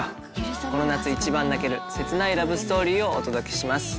この夏一番泣ける切ないラブストーリーをお届けします。